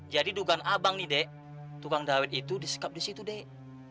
jadi dugaan abang nih dek tukang daun itu disekap di situ dek